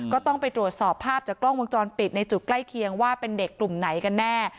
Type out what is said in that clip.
ก็ต้องไปตรวจสอบภาพจากกล้องวงจรปิดในจุดใกล้เคียงว่าเป็นเด็กกลุ่มไหนกันแน่